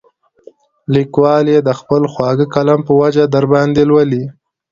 لیکوال یې د خپل خواږه قلم په وجه درباندې لولي.